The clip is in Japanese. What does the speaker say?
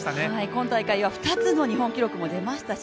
今大会は２つの日本記録も出ましたし